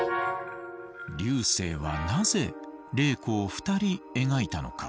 劉生はなぜ麗子を２人描いたのか。